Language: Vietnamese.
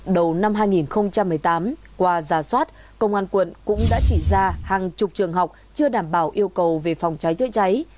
đầu năm hai nghìn một mươi tám qua giả soát công an quận cũng đã chỉ ra hàng chục trường học chưa đảm bảo yêu cầu về phòng cháy chữa cháy